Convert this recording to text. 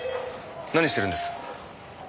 何してるんです？